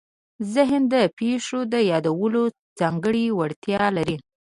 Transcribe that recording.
ذهن د پېښو د یادولو ځانګړې وړتیا لري.